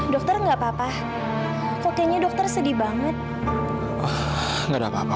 dok dokter gak apa apa